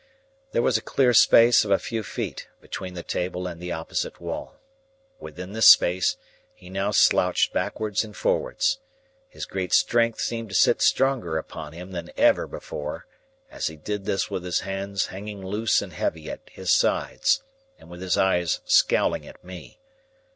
There was a clear space of a few feet between the table and the opposite wall. Within this space, he now slouched backwards and forwards. His great strength seemed to sit stronger upon him than ever before, as he did this with his hands hanging loose and heavy at his sides, and with his eyes scowling at me.